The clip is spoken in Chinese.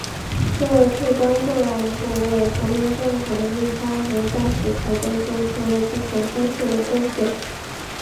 这至关重要一步为国民政府的入川和战时财政作出了不可忽视的贡献。